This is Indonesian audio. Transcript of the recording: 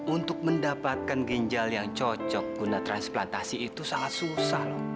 untuk mendapatkan ginjal yang cocok guna transplantasi itu sangat susah loh